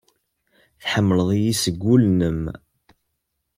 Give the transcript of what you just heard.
Tḥemmleḍ-iyi seg wul-nnem?